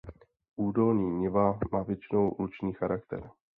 Údolní niva má většinou luční charakter.